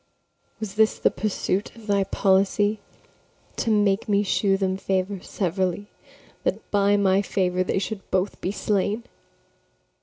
Was this the pursuit of thy policy, To make me shew them favour severally, That by my favour they should both be slain?